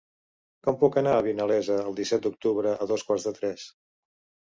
Com puc anar a Vinalesa el disset d'octubre a dos quarts de tres?